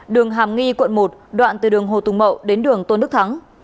đường hàm nghi quận một đoạn từ đường hồ tùng mậu đến đường tôn đức thắng